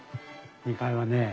２階はね